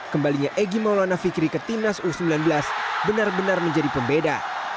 kembalinya egy maulana fikri ke timnas u sembilan belas benar benar menjadi pembeda